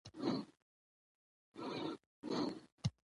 ماشوم له پلار سره یو ځای جومات ته روان شو